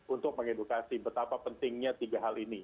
untuk mengedukasi betapa pentingnya tiga hal ini